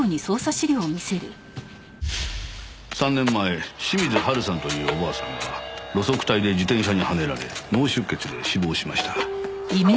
３年前清水ハルさんというお婆さんが路側帯で自転車にはねられ脳出血で死亡しました。